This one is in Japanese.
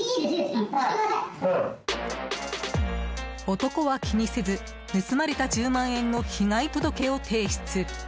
男は気にせず盗まれた１０万円の被害届を提出。